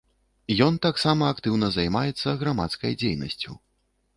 Ён таксама актыўна займаецца грамадскай дзейнасцю.